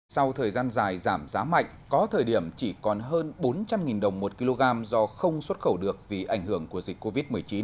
sau thời gian dài giảm giá mạnh có thời điểm chỉ còn hơn bốn trăm linh đồng một kg do không xuất khẩu được vì ảnh hưởng của dịch covid một mươi chín